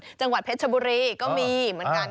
จังหวัดเพชรชบุรีก็มีเหมือนกัน